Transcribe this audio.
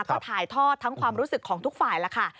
ก็ถ่ายทอดทั้งความรู้สึกของทุกฝ่ายแล้วค่ะ